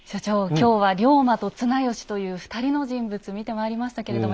今日は龍馬と綱吉という２人の人物見てまいりましたけれども。